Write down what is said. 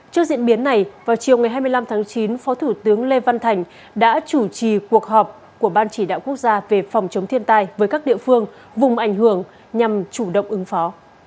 trước diễn biến này vào chiều ngày hai mươi năm tháng chín phó thủ tướng lê văn thành đã chủ trì cuộc họp của ban chỉ đạo quốc gia về phòng chống thiên tai với các địa phương vùng ảnh hưởng nhằm chủ động ứng phó